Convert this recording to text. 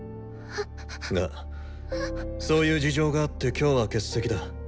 がそういう事情があって今日は欠席だ。